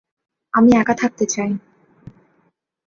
আমি একা থাকতে চাই।